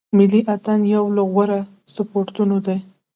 ملي اټن یو له غوره سپورټو دی.